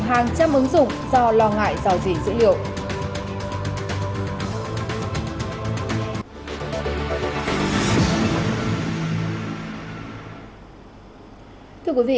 hàng trăm ứng dụng do lo ngại rào rỉ dữ liệu